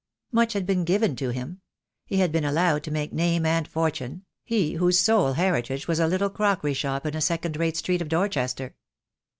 Much had been given to him. He had been allowed to make name and fortune, he whose sole heritage was a little crockery shop in a second rate street of Dorchester.